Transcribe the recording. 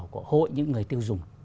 của hội những người tiêu dùng